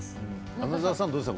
穴澤さん、どうですか？